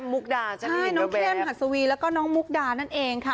ใช่น้องเข้มหัสวีแล้วก็น้องมุกดานั่นเองค่ะ